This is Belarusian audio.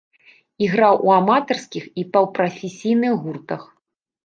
Іграў у аматарскіх і паўпрафесійных гуртах.